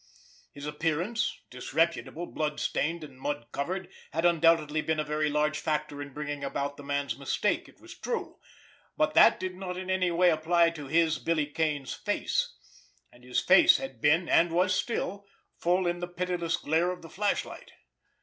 His appearance, disreputable, blood stained and mud covered, had undoubtedly been a very large factor in bringing about the man's mistake, it was true; but that did not in any way apply to his, Billy Kane's, face, and his face had been, and was still, full in the pitiless glare of the flashlight.